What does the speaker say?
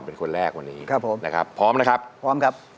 เป็นคนแรกวันนี้พร้อมนะครับ